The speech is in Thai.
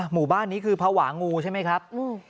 หมู่บ้านนี้คือภาวะงูใช่ไหมครับ